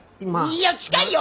いや近いよ！